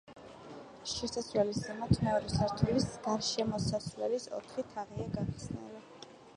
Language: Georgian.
შესასვლელის ზემოთ მეორე სართულის გარშემოსასვლელის ოთხი თაღია გახსნილი.